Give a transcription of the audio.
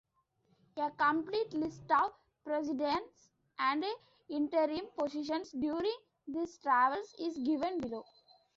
A complete list of presidents, and interim positions during these travels, is given below.